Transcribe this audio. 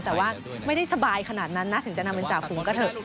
แต่ว่าไม่ได้สบายขนาดนั้นนะถึงจะนำเป็นจ่าฝูงก็เถอะ